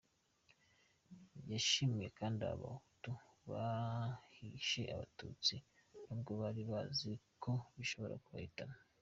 Yashimiye kandi n’Abahutu bahishe Abatutsi n’ubwo bari bazi ko bishobora kubahitana.